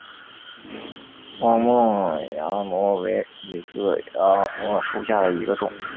望谟崖摩为楝科崖摩属下的一个种。